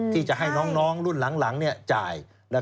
ที่จะให้น้องรุ่นหลังจ่าย